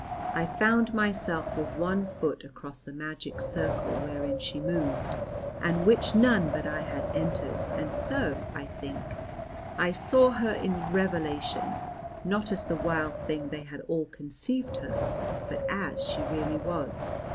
I found myself with one foot across the magic circle wherein she moved, and which none but I had entered; and so, I think, I saw her in revelation, not as the wild thing they had all conceived her, but as she really was.